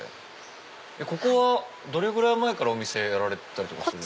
ここはどれぐらい前からお店やられたりするんですか？